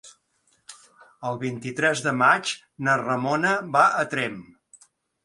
El vint-i-tres de maig na Ramona va a Tremp.